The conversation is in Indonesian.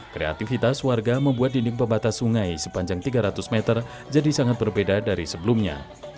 kreativitas warga membuat dinding pembatas sungai sepanjang tiga ratus meter jadi sangat berbeda dari sebelumnya